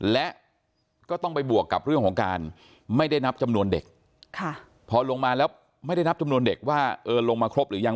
และก็ต้องไปบวกกับเรื่องของการไม่ได้นับจำนวนเด็กพอลงมาแล้วไม่ได้นับจำนวนเด็กว่าเออลงมาครบหรือยัง